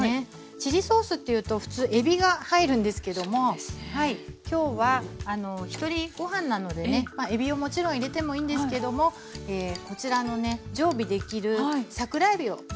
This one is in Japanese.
チリソースっていうと普通えびが入るんですけども今日はひとりごはんなのでねえびをもちろん入れてもいいんですけどもこちらのね常備できる桜えびを使います。